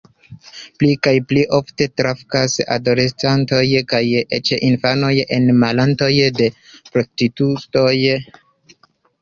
Pli kaj pli ofte trafas adoleskantoj kaj eĉ infanoj en la manojn de prostituistoj.